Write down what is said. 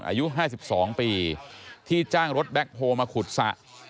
อายุ๕๒ปีที่จ้างรถแบ็คโฮลมาขุดสระ